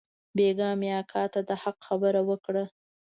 بيگاه مې اکا ته د حق خبره وکړه.